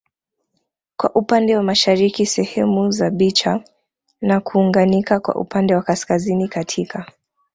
kwa upande wa mashariki sehemu za Bicha na kuunganika kwa upande wa kaskazini katika